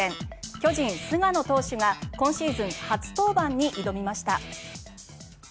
巨人、菅野投手が今シーズン初登板に挑みました。